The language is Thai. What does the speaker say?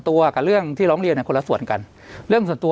กับเรื่องที่ร้องเรียนคนละส่วนกันเรื่องส่วนตัว